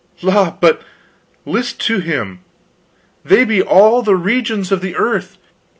"La, but list to him! They be of all the regions of the earth!